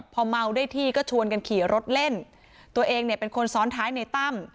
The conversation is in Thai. พอเมาได้ที่ก็ชวนกันขี่รถเล่นตัวเองเนี่ยเป็นคนซ้อนท้ายในตั้ม